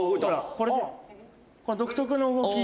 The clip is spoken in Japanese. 「この独特の動き。